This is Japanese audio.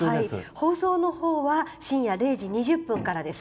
放送のほうは深夜０時２０分からです。